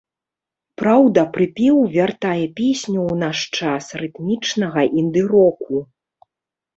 Праўда, прыпеў вяртае песню ў наш час рытмічнага інды-року.